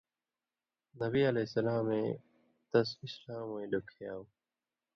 نبیؑ اے تس اِسلاموَیں لُکھیاؤ۔